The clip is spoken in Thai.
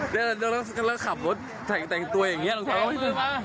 ระดับเรื่องขับรถแผ่นตัวอย่างนี้ลงท้อง